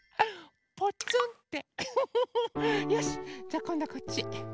じゃあこんどはこっち。